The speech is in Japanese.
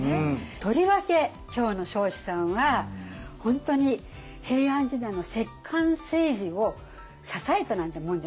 とりわけ今日の彰子さんは本当に平安時代の摂関政治を支えたなんてもんじゃない。